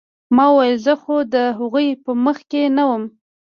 ما وويل زه خو د هغوى په منځ کښې نه وم.